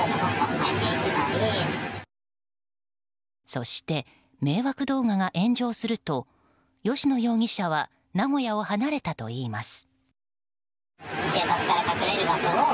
そして、迷惑動画が炎上すると吉野容疑者は名古屋を離れたといいます。